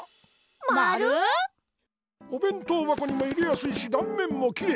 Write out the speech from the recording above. まる⁉おべん当ばこにも入れやすいしだんめんもきれい。